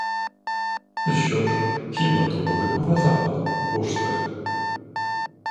Що ж, хіба то великого заходу коштує?